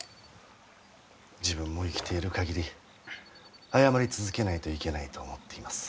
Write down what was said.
自分も生きている限り謝り続けないといけないと思っています。